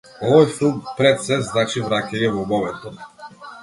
Овој филм, пред сѐ, значи враќање во моментот.